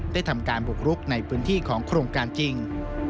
ทำการบุกรุกในพื้นที่ของโครงการจริง